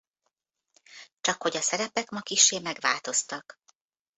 Csakhogy a szerepek ma kissé megváltoztak.